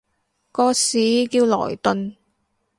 個市叫萊頓